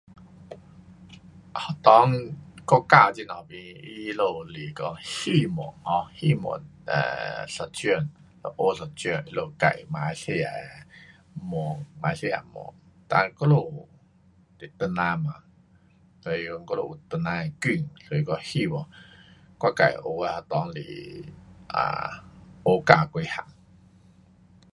学堂国家这头边，他们是讲希望 um 希望啊，一种，只学一种他们自马来西亚文，马来西亚文，哒我们是唐人嘛，所以讲我们有唐人的根，所以讲希望我自学的学堂是啊，学多几样。